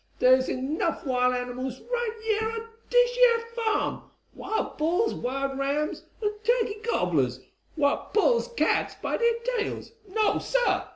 Dere's enough wild animiles right yeah on dish year farm wild bulls, wild rams an' turkey gobblers, what pulls cats by dere tails. No, sah!